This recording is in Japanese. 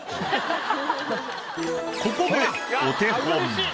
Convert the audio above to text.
ここでお手本。